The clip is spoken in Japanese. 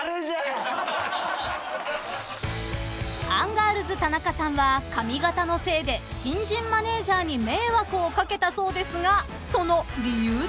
［アンガールズ田中さんは髪形のせいで新人マネージャーに迷惑をかけたそうですがその理由とは？］